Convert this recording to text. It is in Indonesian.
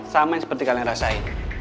sama yang seperti kalian rasain